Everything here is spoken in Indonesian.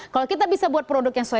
kalau kita bisa buat produk yang soal ini